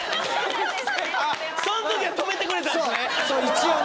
その時は止めてくれたんですね。